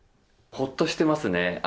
ほっとしてますね。